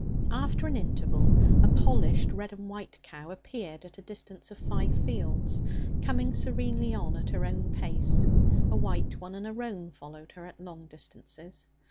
After an interval, a polished red and white cow appeared at a distance of five fields, coming serenely on at her own pace. A white one and a roan followed her at long distances.